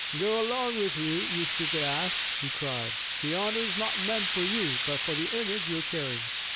"Go along with you, you stupid Ass," he cried. "The honor is not meant for you but for the image you are carrying."